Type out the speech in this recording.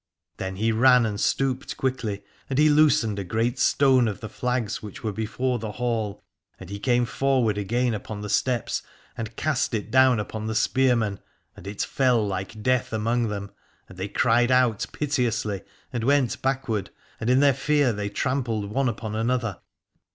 Then he ran and stooped quickly, and he loosened a great stone of the flags which were before the Hall, and he came forward again upon the steps and cast it down upon the spearmen : and it fell like death among them, and they cried out piteously and went back ward, and in their fear they trampled one upon another.